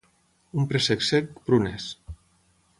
Un préssec sec, prunes.